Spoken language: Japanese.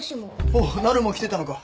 おっなるも来てたのか。